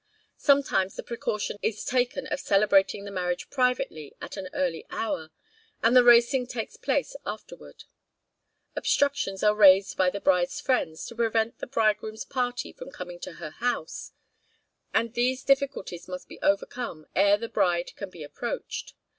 Sometimes the precaution is taken of celebrating the marriage privately at an early hour, and the racing takes place afterward. Obstructions are raised by the bride's friends, to prevent the bridegroom's party from coming to her house, and these difficulties must be overcome ere the bride can be approached.